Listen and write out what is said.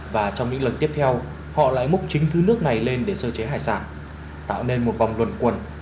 và trong những lần tiếp theo họ lại múc chính thứ nước này lên để sơ chế hải sản tạo nên một vòng luận quẩn